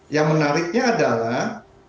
yang menariknya adalah